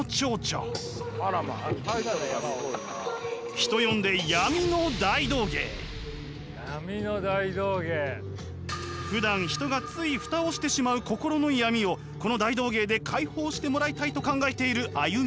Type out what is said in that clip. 人呼んでふだん人がつい蓋をしてしまう心の闇をこの大道芸で解放してもらいたいと考えているＡＹＵＭＩさん。